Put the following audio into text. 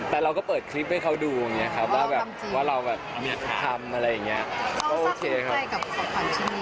แต่เราก็เปิดคลิปให้เขาดูอย่างเงี้ยครับแล้วแบบว่าเราแบบทำอะไรอย่างเงี้ยโอเคครับ